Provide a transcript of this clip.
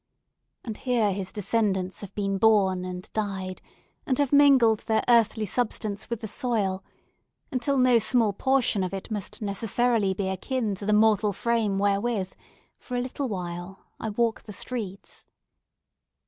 And here his descendants have been born and died, and have mingled their earthly substance with the soil, until no small portion of it must necessarily be akin to the mortal frame wherewith, for a little while, I walk the streets.